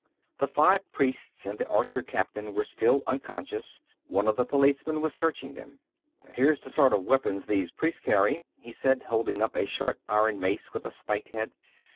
The five priests and the archer captain were still unconscious; one of the policemen was searching them. "Here's the sort of weapons these priests carry," he said, holding up a short iron mace with a spiked head.